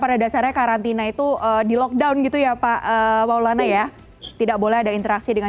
pada dasarnya karantina itu di lockdown gitu ya pak maulana ya tidak boleh ada interaksi dengan